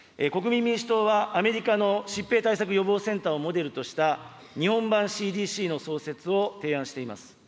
国民民主党はアメリカの疾病対策予防センターをモデルとした、日本版ＣＤＣの創設を提案しています。